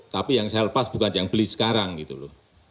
tapi yang saya lepas bukan yang beli sekarang gitu loh